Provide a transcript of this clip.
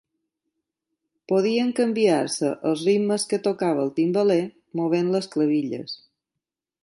Podien canviar-se els ritmes que tocava el timbaler movent les clavilles.